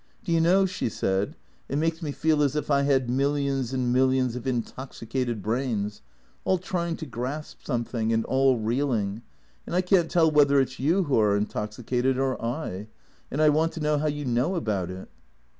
" Do you know," she said, " it makes me feel as if I had millions and millions of intoxicated brains, all trying to grasp something, and all reeling, and I can't tell whether it 's you who are intox icated, or I. And I want to know how you know about it."